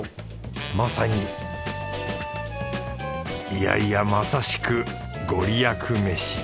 まさにいやいやまさしく御利益飯